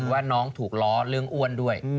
ว่าน้องถูกล้อเรื่องอ้วนด้วย